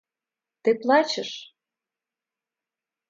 – Ты плачешь?